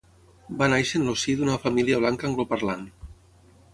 Va néixer en el si d'una família blanca angloparlant.